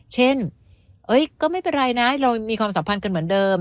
เช่นก็ไม่เป็นไรนะเรามีความสัมพันธ์กันเหมือนเดิม